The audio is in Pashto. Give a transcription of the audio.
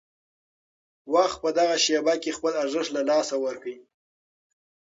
وخت په دغه شېبه کې خپل ارزښت له لاسه ورکړ.